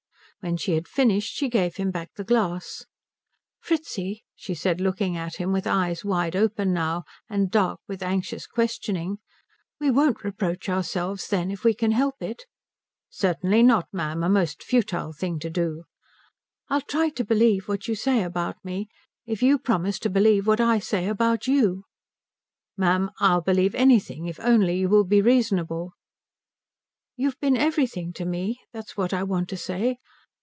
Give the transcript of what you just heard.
When she had finished she gave him back the glass. "Fritzi," she said, looking at him with eyes wide open now and dark with anxious questioning, "we won't reproach ourselves then if we can help it " "Certainly not, ma'am a most futile thing to do." "I'll try to believe what you say about me, if you promise to believe what I say about you." "Ma'am, I'll believe anything if only you will be reasonable." "You've been everything to me that's what I want to say.